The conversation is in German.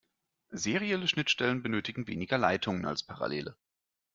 Serielle Schnittstellen benötigen weniger Leitungen als parallele.